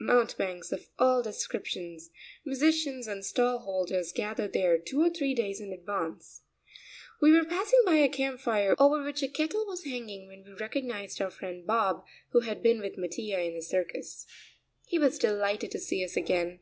Mountebanks of all descriptions, musicians, and stall holders gather there two or three days in advance. We were passing by a camp fire over which a kettle was hanging when we recognized our friend Bob, who had been with Mattia in the circus. He was delighted to see us again.